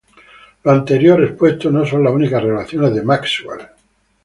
Lo anterior expuesto no son las únicas relaciones de Maxwell.